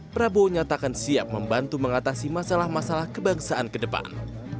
prabowo nyatakan siap membantu mengatasi masalah masalah kebangsaan ke depan